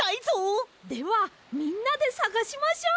ではみんなでさがしましょう！